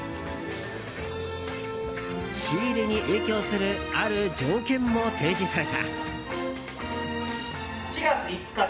仕入れに影響する、ある条件も提示された。